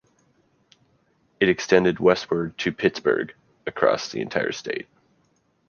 It extended westward to Pittsburgh; across the entire state.